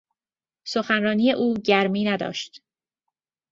سخنرانی او گرمی نداشت.